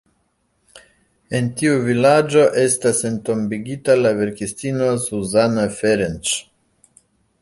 En tiu vilaĝo estas entombigita la verkistino Zsuzsanna Ferencz.